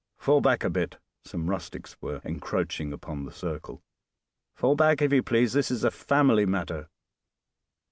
Fall back a bit." (Some rustics were encroaching upon the circle.) "Fall back, if you please; this is a family matter."